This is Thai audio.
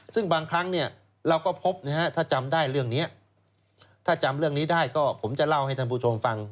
ซึ่งบางครั้งเราก็พบนะฮะถ้าจำได้เรื่องนี้ถ้าจำเรื่องนี้ได้ก็ผมจะเล่าให้ท่านผู้ชมฟัง